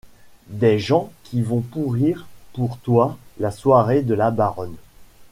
Des gens qui vont pourrir pour toi la soirée de la baronne.